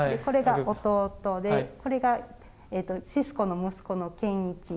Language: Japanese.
これが弟でこれがシスコの息子の賢一。